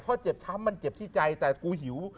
เพราะเจ็บช้ำมันเจ็บที่ใจแต่กูหิว